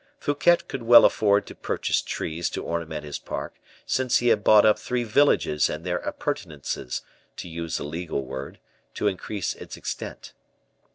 Fouquet could well afford to purchase trees to ornament his park, since he had bought up three villages and their appurtenances (to use a legal word) to increase its extent.